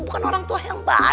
bukan orang tua yang baik